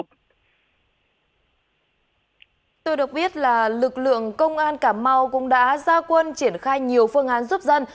tôi được biết là lực lượng công an cà mau cũng đã ra quân triển khai nhiều phương án giúp dân